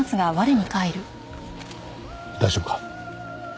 大丈夫か？